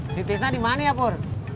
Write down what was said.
si tisna dimana ya pur